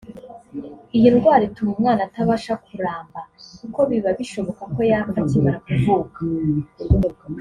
Iyi ndwara ituma umwana atabasha kuramba kuko biba bishoboka ko yapfa akimara kuvuka